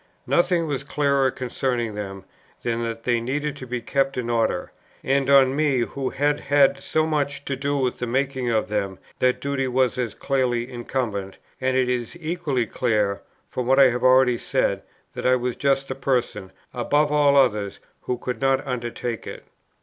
Nothing was clearer concerning them, than that they needed to be kept in order; and on me who had had so much to do with the making of them, that duty was as clearly incumbent; and it is equally clear, from what I have already said, that I was just the person, above all others, who could not undertake it.